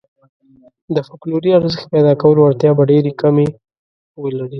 د فوکلوري ارزښت پيدا کولو وړتیا به ډېرې کمې ولري.